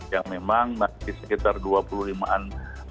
yang memang masih sekitar dua puluh lima an